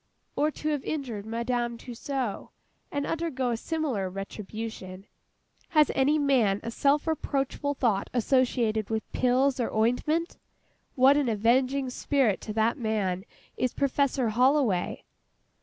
Or to have injured MADAME TUSSAUD, and undergo a similar retribution. Has any man a self reproachful thought associated with pills, or ointment? What an avenging spirit to that man is PROFESSOR HOLLOWAY!